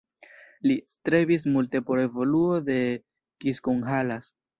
Li strebis multe por evoluo de Kiskunhalas.